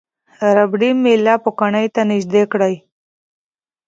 ربړي میله پوکڼۍ ته نژدې کړئ.